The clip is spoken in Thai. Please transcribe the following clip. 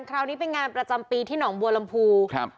คราวนี้เป็นงานประจำปีที่หนองบัวลำพูครับ